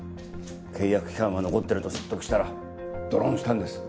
契約期間は残ってると説得したらドロンしたんです。